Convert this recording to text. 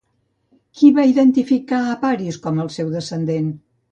Qui va identificar a Paris com el seu descendent?